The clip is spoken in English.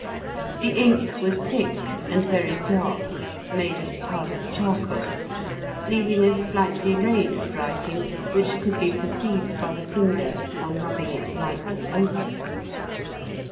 The ink was thick and very dark, made of powdered charcoal, leaving a slightly raised writing, which could be perceived by the finger on rubbing it lightly over.